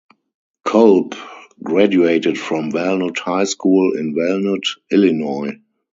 Kolb graduated from Walnut High School in Walnut, Illinois.